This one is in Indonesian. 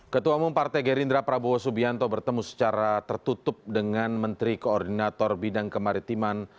ketua umum partai gerindra prabowo subianto bertemu secara tertutup dengan menteri koordinator bidang kemaritiman